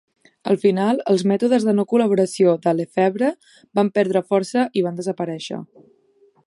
Al final, els mètodes de no col·laboració de LeFevre van perdre força i van desaparèixer.